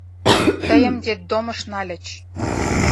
Тыйым детдомыш нальыч.